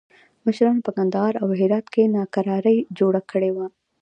مشرانو په کندهار او هرات کې ناکراري جوړه کړې وه.